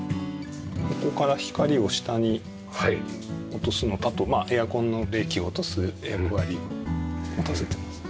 ここから光を下に落とすのとあとエアコンの冷気を落とす役割持たせてます。